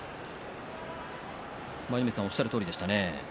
舞の海さんおっしゃるとおりでしたね。